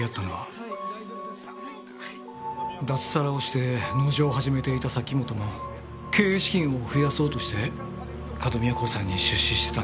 脱サラをして農場を始めていた崎本も経営資金を増やそうとして角宮興産に出資してたんです。